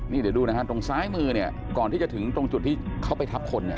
นี่เดี๋ยวดูนะฮะตรงซ้ายมือเนี่ยก่อนที่จะถึงตรงจุดที่เขาไปทับคนเนี่ย